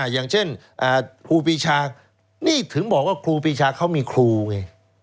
อย่างเช่นครูปีชานี่ถึงบอกว่าครูปีชาเขามีครูไง